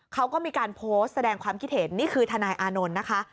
เขาก็มีการโพสต์แสดงความคิดเห็นนี่คือทนายอานนท์นะคะ